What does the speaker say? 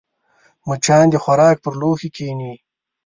مچان د خوراک پر لوښو کښېني